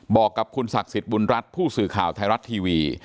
บอกกับคุณศักดิ์สิทธิ์บุญรัฐผู้สื่อข่าวไทยรัฐทีวี